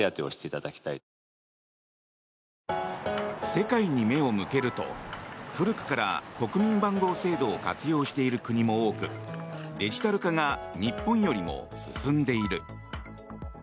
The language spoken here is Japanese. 世界に目を向けると古くから国民番号制度を活用している国も多くデジタル化が日本よりも進んでいる。